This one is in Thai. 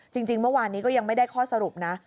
จริงเมื่อวานนี้ก็ยังไม่ได้ข้อสรุปนะ